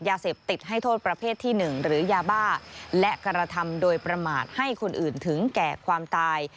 ยาเสพติดให้โทษประเภทที่๑หรือยาบ้าและกระทำโดยประมาทให้คนอื่นถึงแก่ความตาย